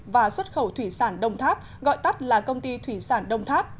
và xuất khẩu thủy sản đông tháp gọi tắt là công ty thủy sản đông tháp